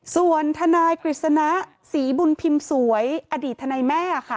ส่วนทนายกฤษณะศรีบุญพิมพ์สวยอดีตทนายแม่ค่ะ